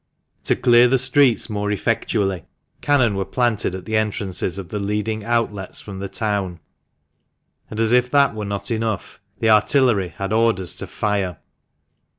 187 To clear the streets more effectually, cannon were planted at the entrances of the leading outlets from the town, and, as if that were not enough, the artillery had orders to fire.